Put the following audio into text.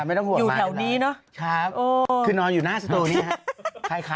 ไม่ต้องห่วงมาอยู่แถวนี้เนาะคือนอนอยู่หน้าตู้เนี่ยครับ